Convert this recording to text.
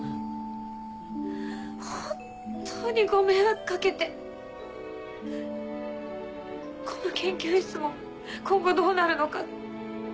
本当にご迷惑掛けてこの研究室も今後どうなるのか。